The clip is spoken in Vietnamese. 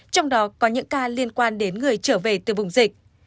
trong đó có những ca liên quan đến người trở về từ vùng dịch